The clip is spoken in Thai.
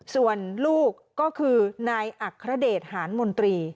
ส่วนลูกก็คือนายอัครเดชหานมนตรี